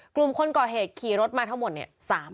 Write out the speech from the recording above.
กลุ่มคนก่อเหตุขี่รถมาทั้งหมดเนี่ย